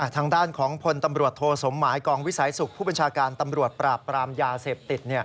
ทางด้านของพลตำรวจโทสมหมายกองวิสัยสุขผู้บัญชาการตำรวจปราบปรามยาเสพติด